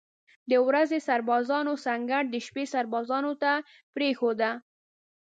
د ورځې سربازانو سنګر د شپې سربازانو ته پرېښوده.